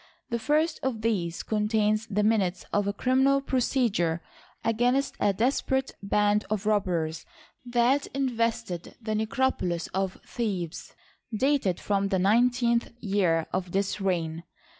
The first of these contains the minutes of a criminal procedure against a desperate band of robbers that invested the necropolis of Thebes, dated from the nineteenth year of this reign.